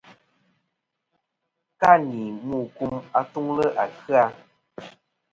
Ka ni mu kum atuŋlɨ à kɨ-a.